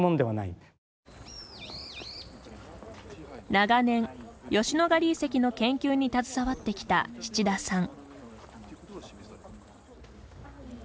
長年、吉野ヶ里遺跡の研究に携わってきた七田さん。